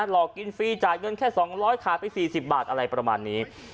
หลอกกินฟรีจ่ายเงินแค่๒๐๐ขายไป๔๐บาทอะไรประมาณนี้